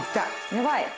やばい。